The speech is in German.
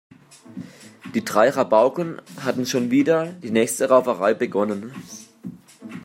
Die drei Rabauken hatten schon wieder die nächste Rauferei begonnen.